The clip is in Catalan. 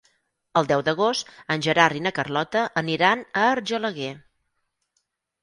El deu d'agost en Gerard i na Carlota aniran a Argelaguer.